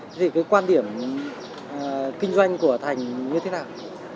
thế thì cái quan điểm kinh doanh của thành như thế nào